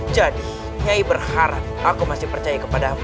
jadi nyai berharap aku masih percaya kepada hamba itu